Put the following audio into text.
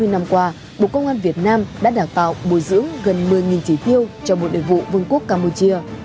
bốn mươi năm qua bộ công an việt nam đã đào tạo bồi dưỡng gần một mươi trí tiêu cho bộ đề vụ vương quốc campuchia